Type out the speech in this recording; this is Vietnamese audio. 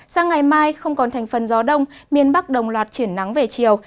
sang ngày mai không còn thành phần gió đông miền bắc đồng loạt triển nắng về chiều